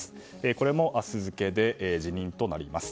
これも明日付で辞任となります。